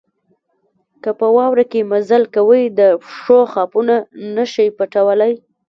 که په واوره کې مزل کوئ د پښو خاپونه نه شئ پټولای.